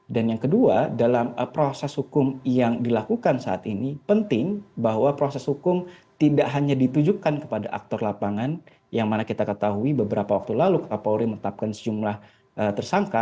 dan yang kedua dalam proses hukum yang dilakukan saat ini penting bahwa proses hukum tidak hanya ditujukan kepada aktor lapangan yang mana kita ketahui beberapa waktu lalu kepa pauli menetapkan sejumlah tersangka